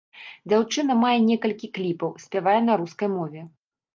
Дзяўчына мае некалькі кліпаў, спявае на рускай мове.